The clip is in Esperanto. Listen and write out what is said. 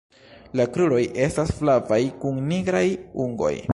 La kruroj estas flavaj kun nigraj ungoj.